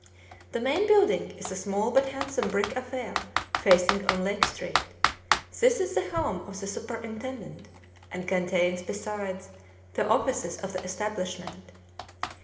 The main building is a small but handsome brick affair, facing on Lake Street. This is the home of the superintendent, and contains, besides, the offices of the establishment.